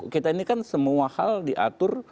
kita ini kan semua hal diatur